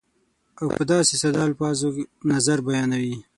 او په داسې ساده الفاظو نظر بیانوي